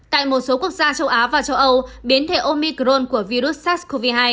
tại một số quốc gia châu á và châu âu biến thể omicron của virus sars cov hai